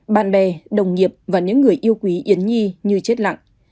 bạn bè đồng nghiệp và những người yêu quý yến nhi như chết lặng